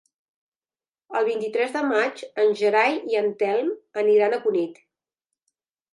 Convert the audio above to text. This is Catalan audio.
El vint-i-tres de maig en Gerai i en Telm aniran a Cunit.